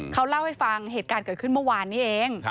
เขาเล่าให้ฟังเหตุการณ์เกิดขึ้นเมื่อวานนี้เอง